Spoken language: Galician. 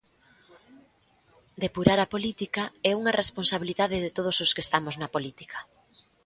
Depurar a política é unha responsabilidade de todos os que estamos na política.